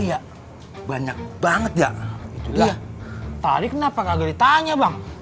lo jangan teriak teriak lo ya